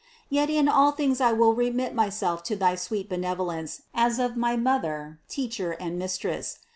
Yet in all things I will remit myself to thy sweet benevolence as of my Mother, Teacher and Mistress.